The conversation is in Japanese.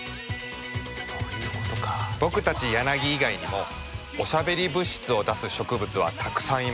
僕たちヤナギ以外にもおしゃべり物質を出す植物はたくさんいます。